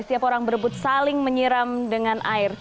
setiap orang berebut saling menyiram dengan air